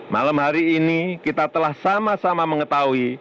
malam hari ini kita telah sama sama mengetahui